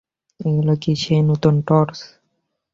এগুলা কি সেই নতুন টর্চ?